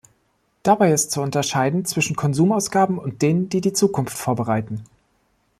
Dabei ist zu unterscheiden zwischen Konsumausgaben und denen, die die Zukunft vorbereiten.